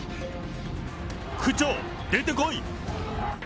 区長、出て来い。